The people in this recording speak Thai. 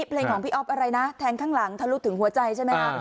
เพลงของพี่อ๊อฟอะไรนะแทงข้างหลังทะลุถึงหัวใจใช่ไหมคะ